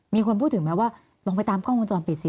มีคนพูดถึงไหมว่าลองไปตามกล้องวงจรปิดสิ